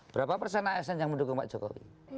berapa persen asn yang mendukung pak jokowi